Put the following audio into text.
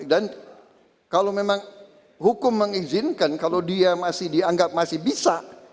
dan kalau memang hukum mengizinkan kalau dia masih dianggap masih bisa